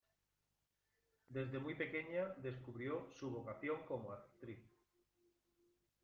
Desde muy pequeña descubrió su vocación como actriz.